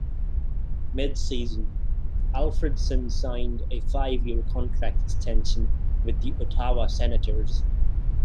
Mid-season, Alfredsson signed a five-year contract extension with the Ottawa Senators.